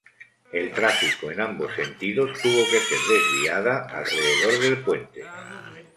El tráfico en ambos sentidos tuvo que ser desviada alrededor del puente.